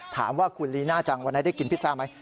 ถามว่าคุณลีน่าจังวันไหนได้กินพิซซ่าไหม